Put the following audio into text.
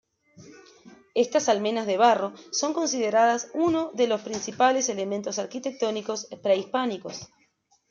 Estas almenas de barro son consideradas uno de los principales elementos arquitectónicos prehispánicos.